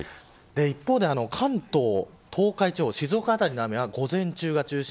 一方で、関東、東海地方静岡の辺りの雨は午前中が中心。